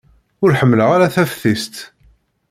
Ur ḥemmleɣ ara taftist.